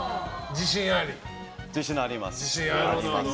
自信あります。